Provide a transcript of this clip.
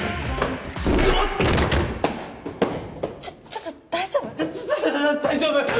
ちょちょっと大丈夫？